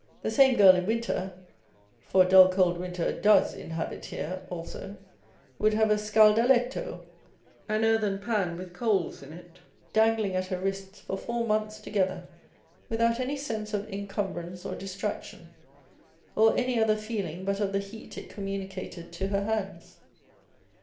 The same girl in winter (for " dull, cold winter does inhabit here " also) wTould have a scaldalctto (an earthen pan with coals in it) dangling at her wrists for four months together, without any sense of incumbrance or distraction, or any other feeling but of the heat it communicated to her hands.